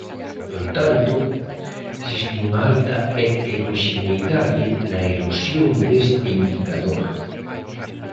No entanto, existe unha alta heteroxeneidade na erosión deste indicador.